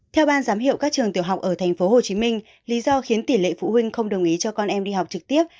theo ban giám hiệu các trường tiểu học ở tp hcm lý do khiến tỷ lệ phụ huynh không đồng ý cho con em đi học trực tiếp